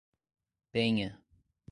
Penha